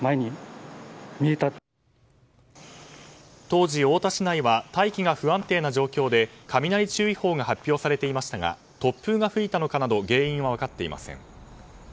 当時、太田市内は大気が不安定な状況で雷注意報が発表されていましたが突風が吹いたのかなど原因は分かっていません。